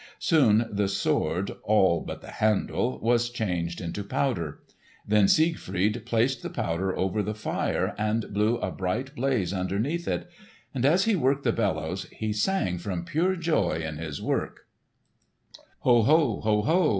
Soon the sword, all but the handle, was changed into powder. Then Siegfried placed the powder over the fire and blew a bright blaze underneath it. And as he worked the bellows he sang from pure joy in his work, "Hoho! hoho!